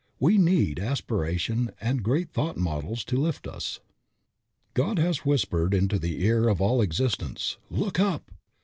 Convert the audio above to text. We need aspiration and great thought models to lift us. God has whispered into the ear of all existence, "Look up."